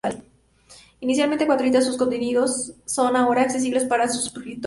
Inicialmente gratuita, sus contenidos son ahora accesibles solo para suscriptores.